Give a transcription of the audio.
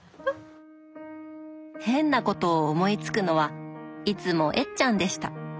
変なことを思いつくのはいつもえっちゃんでした。